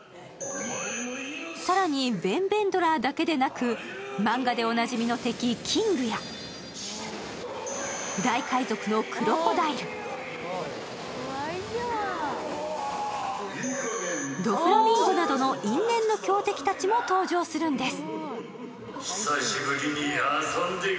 更にヴェン・ヴェンドラーだけでなく漫画でおなじみの敵、キングや大海賊のクロコダイル、ドフラミンゴなどの因縁の強敵たちも登場するんです。